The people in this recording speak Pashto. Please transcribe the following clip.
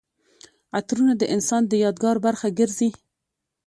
عطرونه د انسان د یادګار برخه ګرځي.